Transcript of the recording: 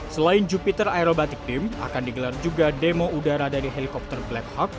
selain jupiter aerobatic team akan digelar juga demo udara dari helikopter black hug